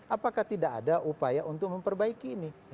apakah tidak ada upaya untuk memperbaiki ini